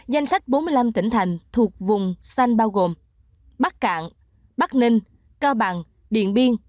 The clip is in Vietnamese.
danh sách bốn mươi năm tỉnh thành thuộc vùng xanh bao gồm bắc cạn bắc ninh cao bằng điện biên